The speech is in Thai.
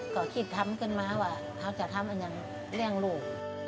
ก็คิดทำเกินมาว่าเราจะทำอันนั้นเลี่ยงลูก